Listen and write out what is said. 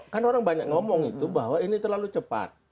kan orang banyak ngomong itu bahwa ini terlalu cepat